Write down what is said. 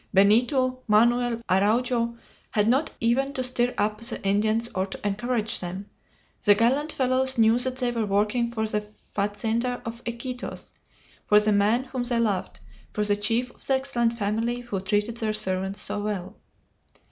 Benito, Manoel, Araujo had not even to stir up the Indians or to encourage them. The gallant fellows knew that they were working for the fazender of Iquitos for the man whom they loved, for the chief of the excellent family who treated their servants so well.